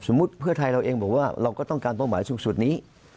เพื่อไทยเราเองบอกว่าเราก็ต้องการเป้าหมายสูงสุดนี้